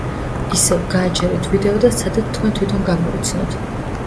ისევ, გააჩერეთ ვიდეო და სცადეთ თქვენ თვითონ გამოიცნოთ.